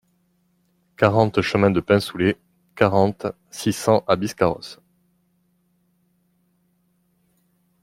quarante chemin de Pinsoulet, quarante, six cents à Biscarrosse